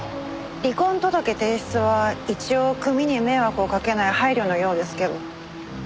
離婚届提出は一応組に迷惑をかけない配慮のようですけど。